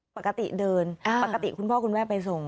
ปกติเดินปกติคุณพ่อคุณแม่ไปส่ง